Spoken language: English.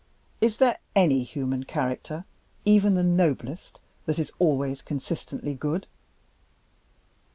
Is there any human character, even the noblest, that is always consistently good?"